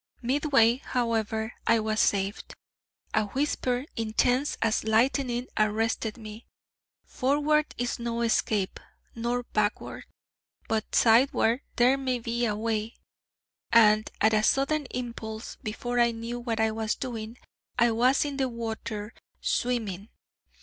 Mid way, however, I was saved: a whisper, intense as lightning, arrested me: 'Forward is no escape, nor backward, but sideward there may be a way!' And at a sudden impulse, before I knew what I was doing, I was in the water swimming.